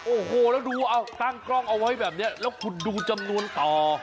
โอ้โหแล้วดูเอาตั้งกล้องเอาไว้แบบนี้แล้วคุณดูจำนวนต่อ